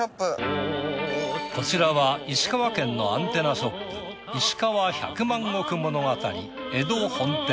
こちらは石川県のアンテナショップいしかわ百万石物語江戸本店。